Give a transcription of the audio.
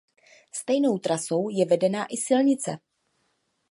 Stejnou trasou je vedená i silnice.